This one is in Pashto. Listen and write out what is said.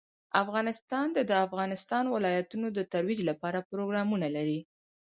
افغانستان د د افغانستان ولايتونه د ترویج لپاره پروګرامونه لري.